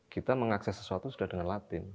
kita mengakses sesuatu sudah dengan latin